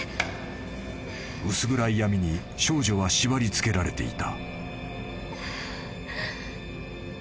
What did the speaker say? ［薄暗い闇に少女は縛り付けられていた］